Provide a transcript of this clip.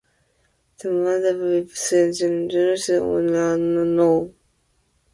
The mother, wives and children of Shepseskaf are unknown.